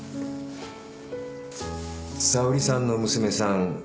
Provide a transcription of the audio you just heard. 沙織さんの娘さん